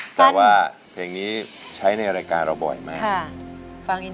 แต่ว่าเพลงนี้ใช้ในรายการเราบ่อยมาก